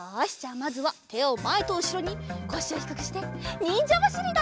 まずはてをまえとうしろにこしをひくくしてにんじゃばしりだ！